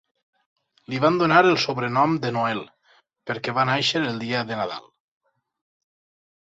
Li van donar el sobrenom de "Noel" perquè va néixer el dia de Nadal.